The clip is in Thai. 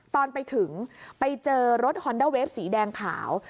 ตอนไปถึงไปเจอรถฮอนด้าเวฟสีแดงขาว